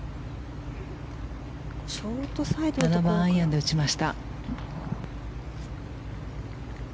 ７番アイアンで打ちました。